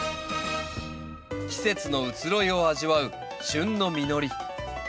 季節の移ろいを味わう旬の実り。